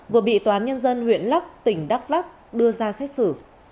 vừa bị toán nhân dân huyện lắk tỉnh đắk lắk đưa ra xét xử